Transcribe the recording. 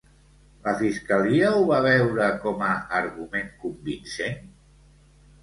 La fiscalia ho va veure com a argument convincent?